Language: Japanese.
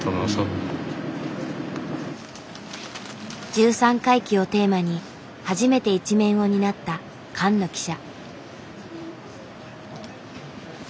「十三回忌」をテーマに初めて１面を担った菅野記者。